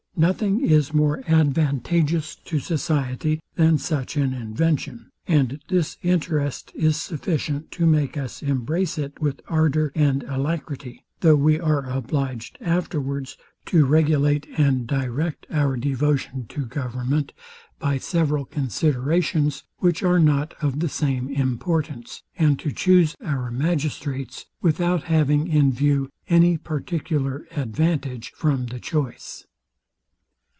Nothing is more advantageous to society than such an invention; and this interest is sufficient to make us embrace it with ardour and alacrity; though we are obliged afterwards to regulate and direct our devotion to government by several considerations, which are not of the same importance, and to chuse our magistrates without having in view any particular advantage from the choice.